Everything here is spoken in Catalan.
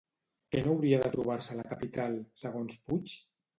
Què no hauria de trobar-se a la capital, segons Puig?